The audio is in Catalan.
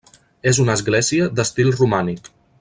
És una església d'estil romànic.